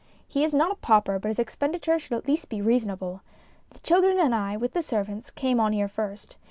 He is not a pauper, but his expenditure should at least be reasonable. The children and I, with the servants, came on here first.